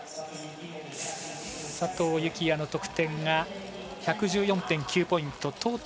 佐藤幸椰の得点が１１４．９ポイント。